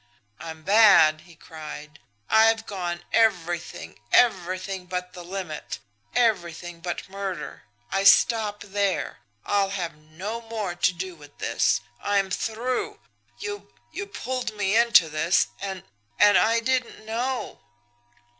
"'I'm bad!' he cried. 'I've gone everything, everything but the limit everything but murder. I stop there! I'll have no more to do with this. I'm through! You you pulled me into this, and and I didn't know!'